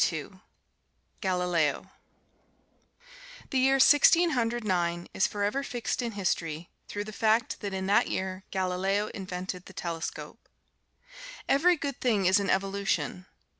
The year Sixteen Hundred Nine is forever fixed in history, through the fact that in that year Galileo invented the telescope. Every good thing is an evolution.